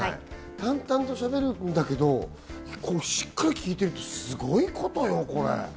淡々としゃべるんだけど、しっかり聞いてると、すごいことよ、これ。